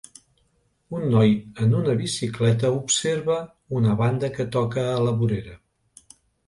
Un noi en una bicicleta observa una banda que toca a la vorera